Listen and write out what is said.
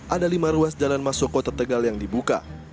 ada lima ruas jalan masuk kota tegal yang dibuka